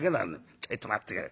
「ちょいと待ってくれ。